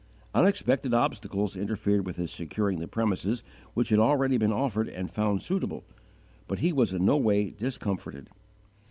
Unexpected obstacles interfered with his securing the premises which had already been offered and found suitable; but he was in no way 'discomforted.'